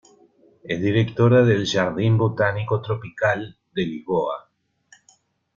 Es directora del Jardim Botânico Tropical, de Lisboa.